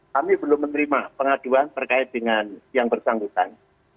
kami belum menerima pengaduan terkait dengan yang bersangkutan